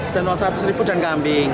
dan wang seratus ribu dan kambing